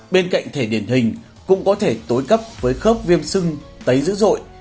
bên cạnh thể điển hình cũng có thể tối cấp với khớp viêm sưng tấy dữ dội